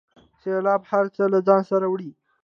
سیلاب هر څه له ځانه سره وړي.